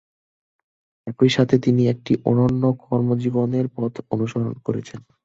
একই সাথে তিনি একটি অনন্য কর্মজীবনের পথ অনুসরণ করেছেন।